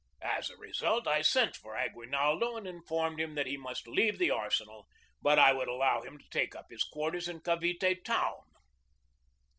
As a result, I sent for IE < U AFTER THE BATTLE 247 Aguinaldo and informed him that he must leave the arsenal, but I would allow him to take up his quar ters in Cavite town.